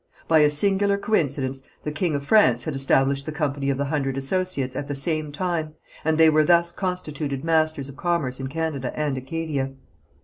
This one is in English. By a singular coincidence the king of France had established the Company of the Hundred Associates at the same time, and they were thus constituted masters of commerce in Canada and Acadia.